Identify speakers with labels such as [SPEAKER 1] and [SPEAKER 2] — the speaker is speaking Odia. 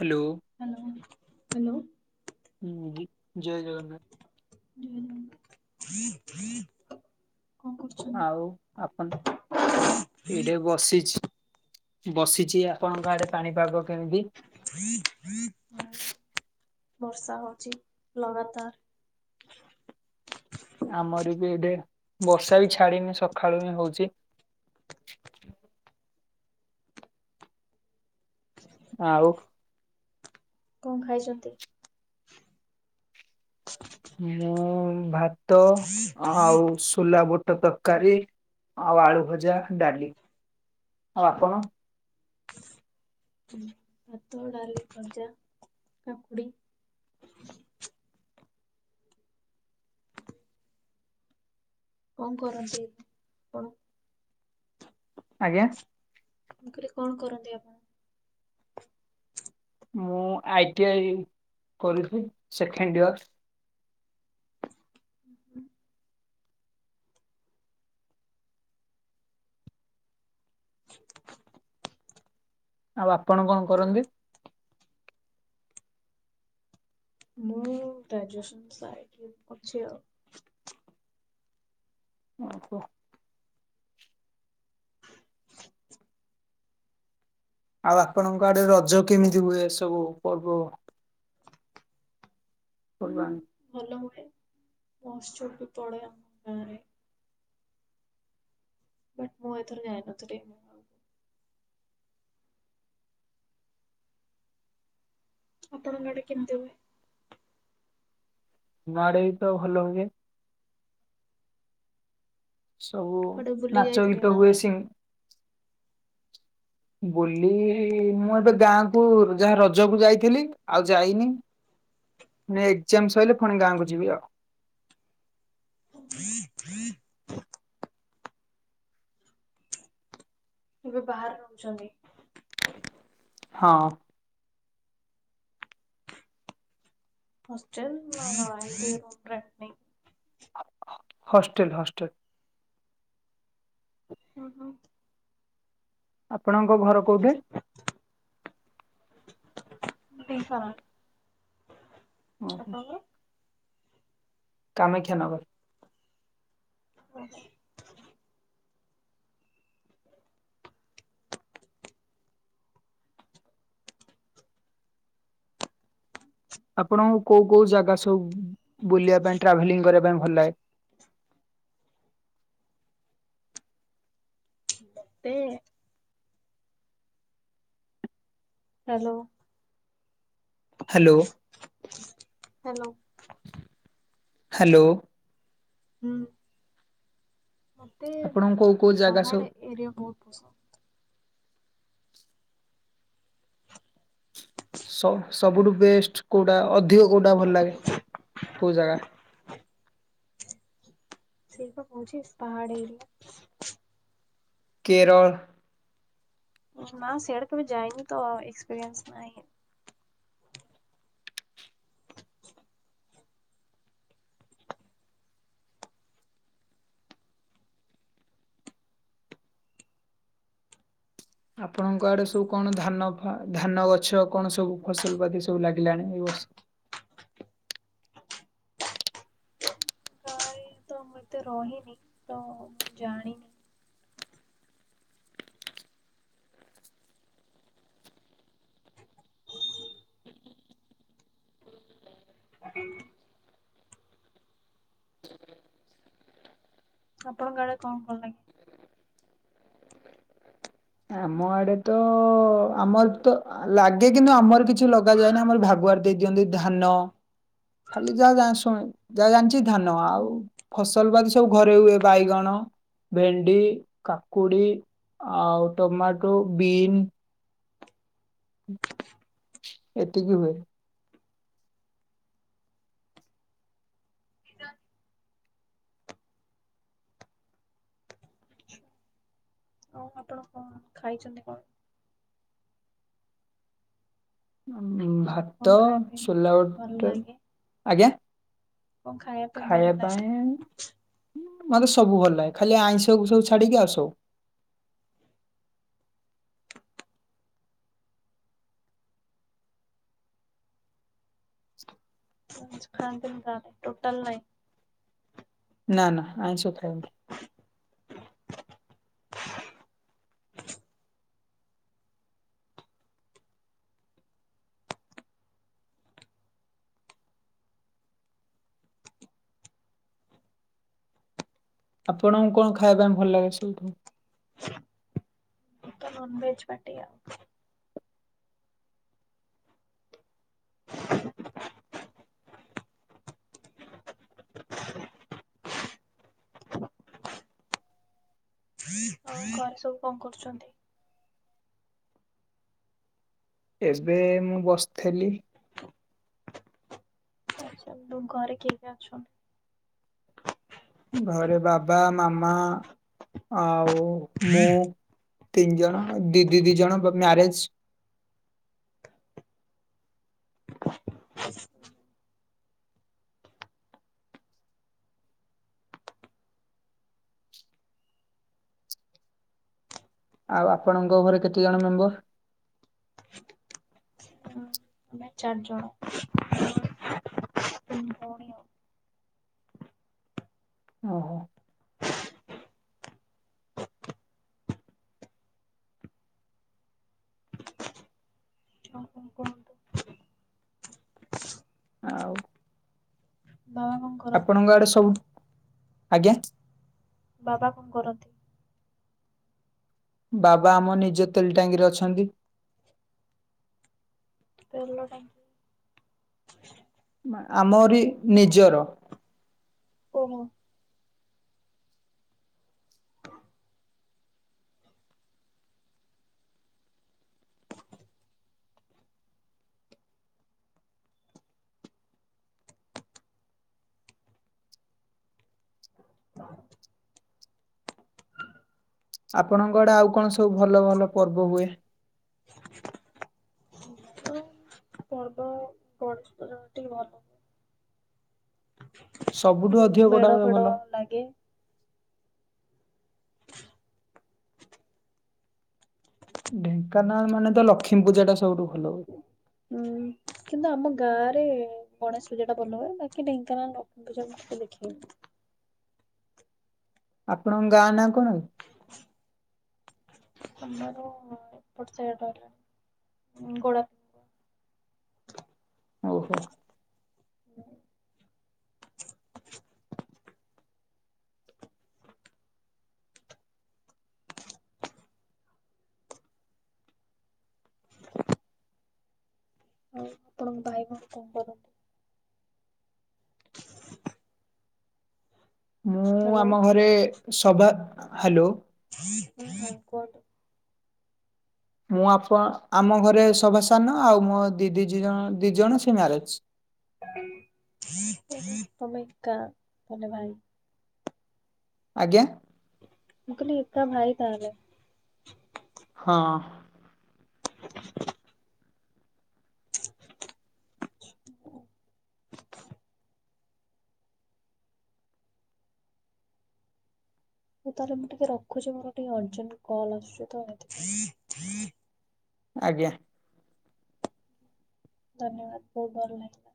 [SPEAKER 1] ହ୍ୟାଲୋ।
[SPEAKER 2] Hello hello.
[SPEAKER 1] ଉଁ, ଜୟ ଜଗନ୍ନାଥ
[SPEAKER 2] [unintelligible] କଣ କରୁଛ?
[SPEAKER 1] ଆଉ ଆପଣ ଏଇଟେ ବସିଛି, ବସିଛି ଆପଣଙ୍କ ଆଡେ ପାଣିପାଗ କେମିତି?
[SPEAKER 2] [inaudible] ବର୍ଷା ହଉଚି ଲଗାତାର।
[SPEAKER 1] ଆମର ବି ଏବେ ବର୍ଷା ବି ଛାଡନି ସକାଳୁ ହିଁ ହଉଚି। ଆଉ।
[SPEAKER 2] କଣ ଖାଇଛନ୍ତି?
[SPEAKER 1] ମୁଁ ଭାତ ଆଉ ଶୁ ଶୁଲା ବୁଟ ତରକାରୀ ଆଉ ଆଳୁ ଭଜା, ଡାଲି। ଆଉ ଆପଣ?
[SPEAKER 2] ଭାତ, ଡାଲି, ଭଜା, କାକୁଡି। କଣ କରନ୍ତି ଆପଣ?
[SPEAKER 1] ଆଜ୍ଞା।
[SPEAKER 2] ମୁଁ କହିଲି କଣ କରନ୍ତି ଆପଣ?
[SPEAKER 1] ମୁଁ ଆଇଟି ଆଇ କରୁଛି ସେକେଣ୍ଡ ଇୟର୍। ଆଉ ଆପଣ କଣ କରନ୍ତି?
[SPEAKER 2] ମୁଁ ଗ୍ରାଜୁଏସନ ସାରିକି ଅଛି ଆଉ।
[SPEAKER 1] ଓ ହୋ। ଆଉ ଆପଣଙ୍କ ଆଡେ ରଜ କେମିତି ହୁଏ ସବୁ ପର୍ବ
[SPEAKER 2] ହୁଁ
[SPEAKER 1] ପର୍ବାଣୀ?
[SPEAKER 2] ଭଲ ହୁଏ ମହାଉତ୍ସବ ବି ପଡେ ଆମ ଗାଁରେ। ବଟ୍ ମୁଁ ଏଥର ଯାଇନଥିଲି। ଆପଣଙ୍କ ଆଡେ କେମିତି ହୁଏ?
[SPEAKER 1] ଆମ ଆଡେ ବି ତ ଭଲ ହୁଏ। ସବୁ
[SPEAKER 2] କୁଆଡେ ବୁଲି
[SPEAKER 1] ନାଚ
[SPEAKER 2] ଯାଇଥିଲେ ନା
[SPEAKER 1] ଗୀତ ହୁଏ
[SPEAKER 2] ନାଇଁ?
[SPEAKER 1] ସି ବୁଲି ମୁଁ ଏବେ ଗାଁ କୁ ଯାହା ରଜକୁ ଯାଇଥିଲି ଆଉ ଯାଇନି।
[SPEAKER 2] [inaudible]
[SPEAKER 1] ଏକ୍ଜାମ ସଇଲେ ପୁଣି ଗାଁକୁ ଯିବି ଆଉ।
[SPEAKER 2] [unintelligible] ଏବେ ବାହାରେ ରହୁଛନ୍ତି।
[SPEAKER 1] ହଁ।
[SPEAKER 2] ହଷ୍ଟେଲ ନା [unintelligible]
[SPEAKER 1] ହଷ୍ଟେଲ ହଷ୍ଟେଲ।
[SPEAKER 2] ଓହୋ।
[SPEAKER 1] ଆପଣଙ୍କ ଘର କୋଉଠି?
[SPEAKER 2] ଢେଙ୍କାନାଳ। ଆପଣଙ୍କର।
[SPEAKER 1] କାମେକ୍ଷାନଗର।
[SPEAKER 2] ଓହୋ।
[SPEAKER 1] ଆପଣ ଙ୍କୁ କୋଉ କୋଉ ଜାଗା ସବୁ ବୁଲିବା ପାଇଁ ଟ୍ରାଭେଲିଂ କରିବା ପାଇଁ ଭଲ ଲାଗେ।
[SPEAKER 2] ମତେ ହ୍ୟାଲୋ।
[SPEAKER 1] Hello
[SPEAKER 2] hello
[SPEAKER 1] hello.
[SPEAKER 2] ହୁଁ ମତେ
[SPEAKER 1] ଆପଣଙ୍କୁ କୋଉ କୋଉ ଜାଗା ସବୁ
[SPEAKER 2] ପାହାଡ ଏରିଆ ବହୁତ ପସନ୍ଦ।
[SPEAKER 1] ସବୁଠୁ ବେଷ୍ଟ କେଉଁଟା ଅଧିକ କେଉଁଟା ଭଲ ଲାଗେ କେଉଁ ଜାଗା?
[SPEAKER 2] ସେଇ ପା କହୁଛି ପାହାଡ ଏରିଆ।
[SPEAKER 1] କେରଳ।
[SPEAKER 2] ମା ସିଆଡା କେବେ ଯାଇନି ତ ଏକ୍ସପିରିଏନ୍ସ ନାହିଁ।
[SPEAKER 1] ଆପଣଙ୍କ ଆଡେ ସବୁ କଣ ଧାନ ଧାନ ଗଛ କଣ ସବୁ ଫସଲ ବାତି ସବୁ ଲାଗିଲାଣି ଏଇ ବର୍ଷ।
[SPEAKER 2] ଗାଁରେ ତ ମୁଁ ଏତେ ରହିନି ତ ମୁଁ ଜାଣିନି। [unintelligible] [unintelligible] ଆପଣଙ୍କ ଆଡେ କଣ କଣ ଲାଗେ।
[SPEAKER 1] ଆମ ଆଡେ ତ ଆମର ତ ଲାଗେ କିନ୍ତୁ ଆମର କିଛି ଲଗାଯାଏନା ଆମର ଭାଗୁଆର ଦେଇ ଦିଅନ୍ତି ଧାନ। ଖାଲି ଯାହା ଶୁ ଯାହା ଜାଣିଛି ଧାନ ଆଉ ଫସଲ ବାଦୀ ସବୁ ଘରେ ହୁଏ ବାଇଗଣ ଭେଣ୍ଡି କାକୁଡି ଆଉ ଟମାଟୋ ବିନ୍ ଏତିକି ହୁଏ।
[SPEAKER 2] [unintelligible] ହଉ ଆପଣ କଣ ଖାଇଛନ୍ତି କଣ? କଣ
[SPEAKER 1] ଭାତ
[SPEAKER 2] ଖାଇବା ପାଇଁ ଭଲ
[SPEAKER 1] ସୋଲାଟ
[SPEAKER 2] ଲାଗେ?
[SPEAKER 1] ଆଜ୍ଞା।
[SPEAKER 2] କଣ ପାଇଁ ଭଲ
[SPEAKER 1] ଖାଇବା
[SPEAKER 2] ଲାଗେ?
[SPEAKER 1] ପାଇଁ ମତେ ସବୁ ଭଲ ଲାଗେ ଖାଲି ଆଇଁଷକୁ ସବୁ ଛାଡିକି ଆଉ ସବୁ।
[SPEAKER 2] ଖାନ୍ତିନ କାଇ ଟୋଟଲ ନାଇଁ।
[SPEAKER 1] ନା ନା ଅଇଁଷ ଖାଏନି। ଆପଣଙ୍କୁ କଣ ଖାଇବା ପାଇଁ ଭଲ ଲାଗେ ସବଠୁ?
[SPEAKER 2] ଆମେତ ନନ୍ ଭେଜ୍ ପାଟିଆଉ। ଆଉ ଘରେ ସବୁ କଣ କରୁଚନ୍ତି?
[SPEAKER 1] ଏବେ ମୁଁ ବସିଥିଲି।
[SPEAKER 2] [unintelligible] ଘରେ କିଏ କିଏ ଅଛନ୍ତି?
[SPEAKER 1] ଘରେ ବାବା ମାମା ଆଉ ମୁଁ। ତିନି ଜଣ ଦିଦି ଦିଜଣ ମ୍ୟାରେଜେ। ଆଉ ଆପଣଙ୍କ ଘରେ କେତେ ଜଣ ମେମ୍ବର?
[SPEAKER 2] ଆମେ ଚାର ଜଣ। ତିନି ଭଉଣୀ ଆଉ।
[SPEAKER 1] ଓହୋ।
[SPEAKER 2] ଆଉ କଣ କୁହନ୍ତୁ?
[SPEAKER 1] ଆଉ।
[SPEAKER 2] ବାବା କଣ କରନ୍ତି?
[SPEAKER 1] ଆପଣଙ୍କ ଆଡେ ସବୁ ଆଜ୍ଞା।
[SPEAKER 2] ବାବା କଣ କରନ୍ତି?
[SPEAKER 1] ବାବା ଆମ ନିଜେ ତେଲ ଟାଙ୍କିରେ ଅଛନ୍ତି।
[SPEAKER 2] ତେଲ ଟାଙ୍କି।
[SPEAKER 1] ମା ଆମରି ନିଜର।
[SPEAKER 2] ଓହୋ।
[SPEAKER 1] ଆପଣଙ୍କ ଆଡେ ଆଉ କଣ ସବୁ ଭଲ ଭଲ ପର୍ବ ହୁଏ?
[SPEAKER 2] ହଁ [inaudible] ପର୍ବ ଗ [unintelligible] ଟିକେ ଭଲ।
[SPEAKER 1] ସବୁଠୁ ଅଧିକ
[SPEAKER 2] ବହୁତୁ
[SPEAKER 1] କୋଉଟା
[SPEAKER 2] ମେଡ
[SPEAKER 1] ହୁଏ
[SPEAKER 2] ଫେଡ
[SPEAKER 1] ଭଲ?
[SPEAKER 2] ଲାଗେ।
[SPEAKER 1] ଢେଙ୍କାନାଳ ମାନେ ତ ଲକ୍ଷ୍ମୀ ପୂଜା ଟା ସବୁଠୁ ଭଲ ହୁଏ।
[SPEAKER 2] ଉଁ। କିନ୍ତୁ ଆମ ଗାଁରେ ଗଣେଶ ପୂଜା ଟା ଭଲ ହୁଏ ବାକି ଢେଙ୍କାନାଳ ଲକ୍ଷ୍ମୀ ପୂଜା ମୁଁ କେବେ ଦେଖିନି।
[SPEAKER 1] ଆପଣଙ୍କ ଗାଁ ନାଁ କଣ?
[SPEAKER 2] ଆମର ଏପଟ ସାଇଡି ରହିଲା ଗୋଡା
[SPEAKER 1] ହଉ ହଉ।
[SPEAKER 2] ଆଉ ଆପଣଙ୍କ ଭାଇ କଣ କ କରନ୍ତି?
[SPEAKER 1] ମୁଁ
[SPEAKER 2] ହ୍ୟାଲୋ।
[SPEAKER 1] ଆମ ଘରେ ସଭା, ହାଲୋ।
[SPEAKER 2] ହାଇ କୋଟ [unintelligible]
[SPEAKER 1] ମୁଁ ଆପ ଆମ ଘରେ ସଭା ସାନ, ଆଉ ମୋ ଦିଦି ଦିଜ ଦିଜଣ ସେ ମ୍ୟାରେଜେ।
[SPEAKER 2] ତମେ ଏକା ତମେ ଭାଇ। [unintelligible]
[SPEAKER 1] ଆଜ୍ଞା।
[SPEAKER 2] ମୁଁ କଲି, ଏକା ଭାଇ ତାହାଲେ।
[SPEAKER 1] ହଁ।
[SPEAKER 2] ହଉ ତାହେଲେ ମୁଁ ଟିକେ ରଖୁଚି, ମୋର ଟିକେ ଅର୍ଜେଣ୍ଟ କଲ୍ ଆସୁଛି ତ ହେଇଥିପାଇଁ।
[SPEAKER 1] ଆଜ୍ଞା।
[SPEAKER 2] ଧନ୍ୟବାଦ, ବହୁତ ଭଲ ଲାଗିଲା। [unintelligible]